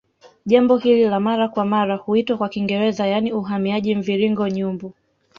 Jambo hili la mara kwa mara huitwa kwa Kiingereza yaani uhamiaji mviringo Nyumbu